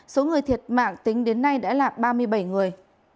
số người thiệt mạng tính đến nay đã là ba mươi bảy người